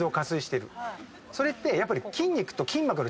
それってやっぱり。